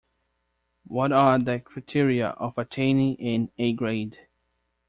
What are the criteria of attaining an A-grade?